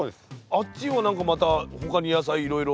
あっちはなんかまた他に野菜いろいろ。